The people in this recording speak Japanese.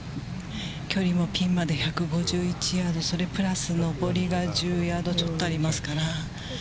距離もピンまで、１５１ヤード、それプラス上りが１０ヤードちょっとありますから。